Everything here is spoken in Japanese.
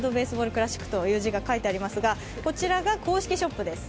クラシックという字が書いてありますが、こちらが公式ショップです